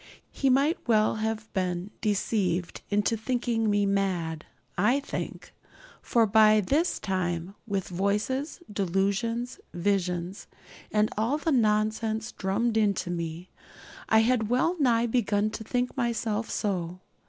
He might well have been deceived into thinking me mad, I think; for by this time, with voices, delusions, visions, and all the nonsense drummed into me, I had well nigh begun to think myself so.